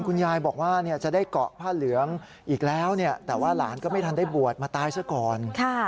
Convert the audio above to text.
คุณยายบอกว่าจะได้เกาะผ้าเหลืองอีกแล้วแต่ว่าหลานก็ไม่ทันได้บวชมาตายซะก่อน